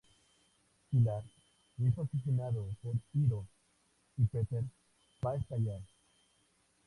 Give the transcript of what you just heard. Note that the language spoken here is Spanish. Sylar es "asesinado" por Hiro, y Peter va a estallar.